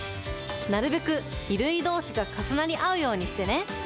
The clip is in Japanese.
なるべく衣類どうしが重なり合うようにしてね。